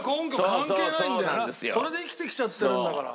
それで生きてきちゃってるんだから。